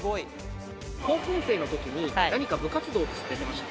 高校生の時に何か部活動ってされてました？